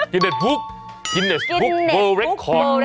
กินเนสวุกเบอร์เล็กคอร์ด